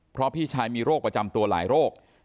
เพราะพี่ชายมีโรคประจำตัวหลายโรค